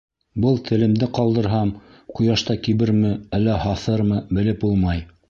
Был телемде ҡалдырһам, ҡояшта киберме, әллә һаҫырмы, белеп булмай.